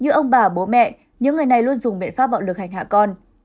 như ông bà bố mẹ những người này luôn dùng biện pháp bạo lực hành hạ con